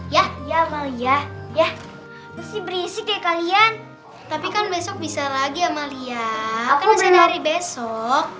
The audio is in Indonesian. ya ya amalia ya sih berisik ya kalian tapi kan besok bisa lagi amalia aku berani besok